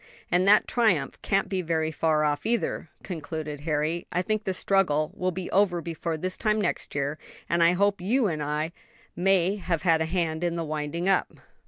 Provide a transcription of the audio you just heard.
"And that triumph can't be very far off either," concluded Harry. "I think the struggle will be over before this time next year, and I hope you and I may have a hand in the winding up."